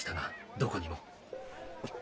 どこにも。